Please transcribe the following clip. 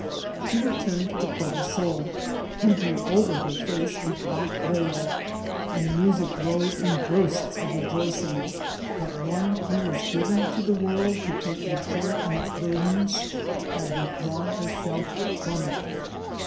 She returned to the provesor, who drew orer her face a black veil ; and music rose in bursts of rejoicing, that one who was given to the world to take a share in its burdens had withdrawn herself from it.